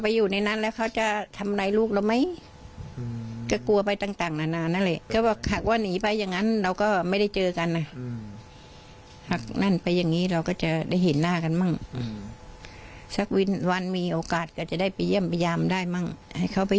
ไม่รู้ลูกจะติดคุกกี่ปี